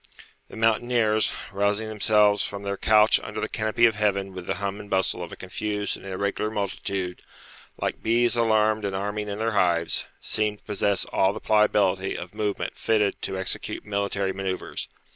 The mountaineers, rousing themselves from their couch under the canopy of heaven with the hum and bustle of a confused and irregular multitude, like bees alarmed and arming in their hives, seemed to possess all the pliability of movement fitted to execute military manoeuvres.